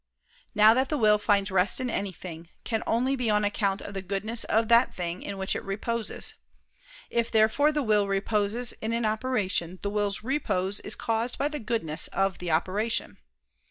Now that the will finds rest in anything, can only be on account of the goodness of that thing in which it reposes. If therefore the will reposes in an operation, the will's repose is caused by the goodness of the operation.